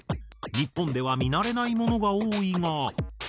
日本では見慣れないものが多いが。